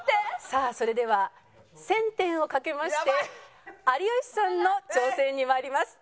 さあそれでは１０００点を賭けまして有吉さんの挑戦に参ります。